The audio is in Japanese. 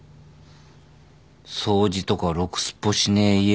掃除とかろくすっぽしねえ家が狙われた。